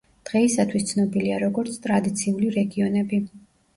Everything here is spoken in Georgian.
დღეისათვის ცნობილია როგორც ტრადიციული რეგიონები.